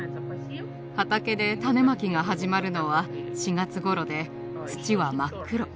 畑で種まきが始まるのは４月頃で土は真っ黒。